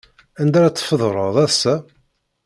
Anda ara tfeḍreḍ assa?